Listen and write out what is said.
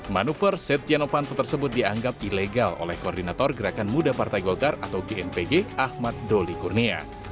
manuver setia novanto tersebut dianggap ilegal oleh koordinator gerakan muda partai golkar atau gnpg ahmad doli kurnia